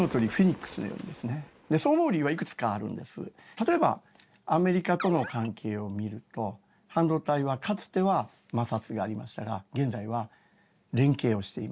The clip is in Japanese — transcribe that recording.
例えばアメリカとの関係を見ると半導体はかつては摩擦がありましたが現在は連携をしています。